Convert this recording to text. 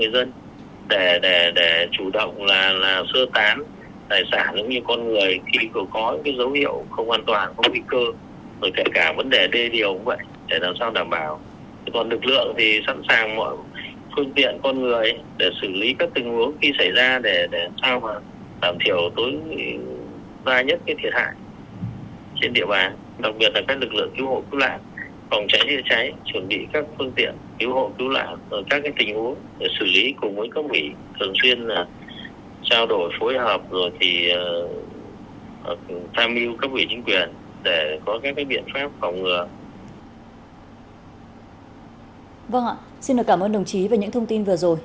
vâng ạ xin được cảm ơn đồng chí về những thông tin vừa rồi